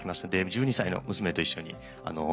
１２歳の娘と一緒に見ました。